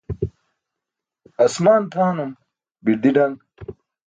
Aasmaan tʰaanum, birdi daṅ